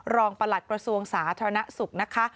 ประหลัดกระทรวงสาธารณสุขนะคะ